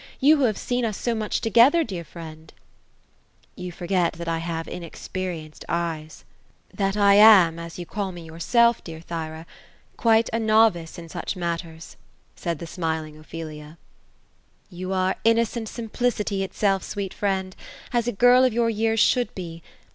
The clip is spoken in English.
You who have seen us so much together, dear friend ?"You forget that I have inexperienced eyes — that I am (as you call 250 OPHELIA ; me yourself, dear Thjra) quite a novice in such matters ;" said the smi ling Ophelia. ^ You are innocent simplicity itself, sweet friend ; as a girl of your years should be.